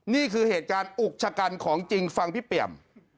นี่คือเหตุการณ์อุกชะกันของจริงฟังพี่เปี่ยม